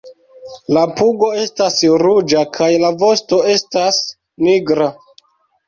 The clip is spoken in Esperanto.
La pugo estas ruĝa kaj la vosto estas nigra.